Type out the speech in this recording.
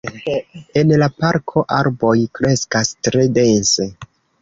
En la parko arboj kreskas tre dense.